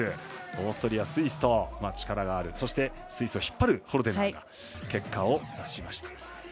オーストリア、スイスと力のあるそして、スイスを引っ張るホルデナー結果を出しました。